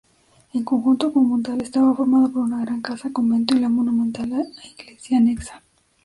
En conjunto conventual estaba formado por una gran casa-convento y la monumental iglesia anexa.